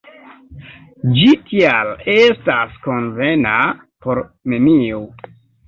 Ĝi, tial, estas konvena por neniu.